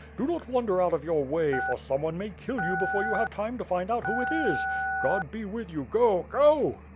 Do not wander out of your way, for someone may kill you before you have time to find out who it is. God be with you, go, go!"